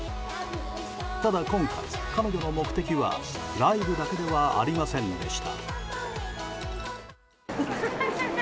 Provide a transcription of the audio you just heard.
ただ、今回彼女の目的はライブだけではありませんでした。